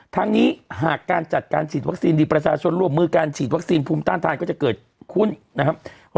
ทั้งนี้หากการจัดการฉีดวัคซีนดีประชาชนร่วมมือการฉีดวัคซีนภูมิต้านทานก็จะเกิดขึ้นนะครับ